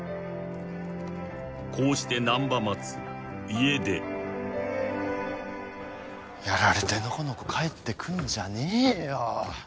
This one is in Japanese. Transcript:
［こうして難破松家出］やられてのこのこ帰ってくんじゃねえよ。